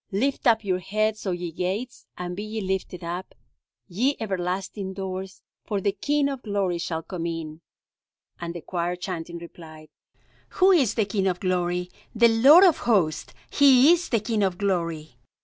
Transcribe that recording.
Lift up your heads, O ye gates, and be ye lifted up, ye everlasting doors, for the King of glory shall come in.'" And the choir chanting, replied: "Who is the King of glory? The Lord of hosts He is the King of glory."